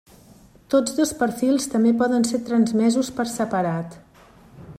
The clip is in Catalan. Tots dos perfils també poden ser transmesos per separat.